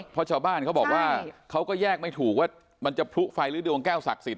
เพราะชาวบ้านเขาบอกว่าเขาก็แยกไม่ถูกว่ามันจะพลุไฟหรือดวงแก้วศักดิ์สิท